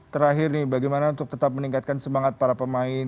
terakhir nih bagaimana untuk tetap meningkatkan semangat para pemain